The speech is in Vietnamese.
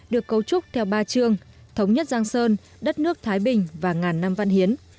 được cấu trúc theo ba trường thống nhất giang sơn đất nước thái bình và ngàn năm văn hiến